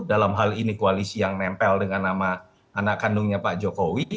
dalam hal ini koalisi yang nempel dengan nama anak kandungnya pak jokowi